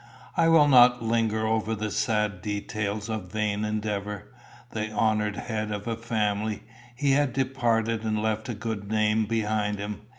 I will not linger over the sad details of vain endeavour. The honoured head of a family, he had departed and left a good name behind him.